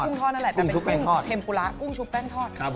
ทอดนั่นแหละแต่เป็นกุ้งเทมปุระกุ้งชุบแป้งทอด